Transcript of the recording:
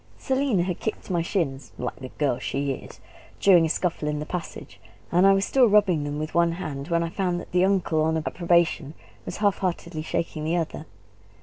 Selina had kicked my shins like the girl she is! during a scuffle in the passage, and I was still rubbing them with one hand when I found that the uncle on approbation was half heartedly shaking the other.